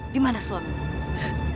di mana suami